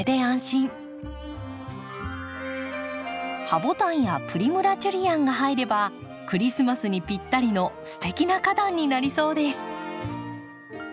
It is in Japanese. ハボタンやプリムラ・ジュリアンが入ればクリスマスにぴったりのすてきな花壇になりそうです。